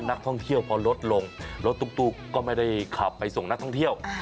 นักท่องเที่ยวพอลดลงรถตุ๊กก็ไม่ได้ขับไปส่งนักท่องเที่ยว